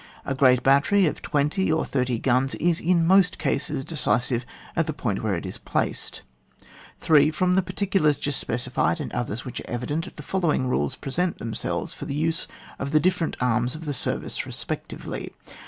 A great battery of twenty or thirty guns is in most cases decisive at the point where it is placed. 3. From the particulars just specified and others which are evident, the follow ing rules present themselves for the use of the different arms of the service re spectively.